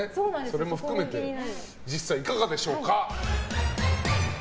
それも含めて実際はいかがでしょう。